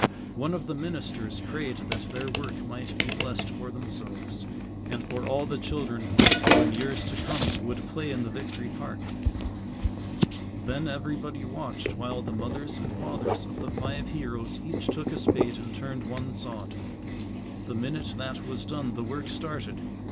One of the ministers prayed that their work might be blessed for themselves, and for all the children who in years to come would play in the Victory Park. Then everybody watched while the mothers and fathers of the five heroes each took a spade and turned one sod. The minute that was done the work started.